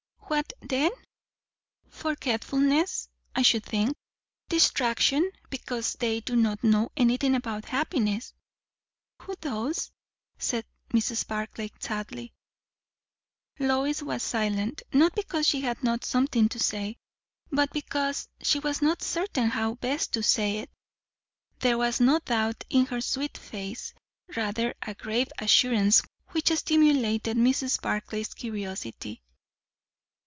"What then?" "Forgetfulness, I should think; distraction; because they do not know anything about happiness." "Who does?" said Mrs. Barclay sadly. Lois was silent, not because she had not something to say, but because she was not certain how best to say it. There was no doubt in her sweet face, rather a grave assurance which stimulated Mrs. Barclay's curiosity.